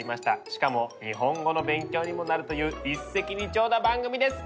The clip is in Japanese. しかも日本語の勉強にもなるという一石二鳥な番組です！